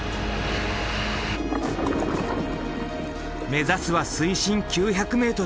目指すは水深９００ｍ。